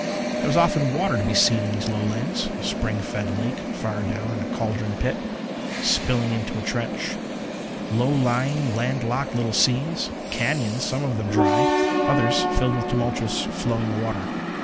There was often water to be seen in these Lowlands. A spring fed lake far down in a caldron pit, spilling into a trench; low lying, land locked little seas; cañons, some of them dry, others filled with tumultuous flowing water.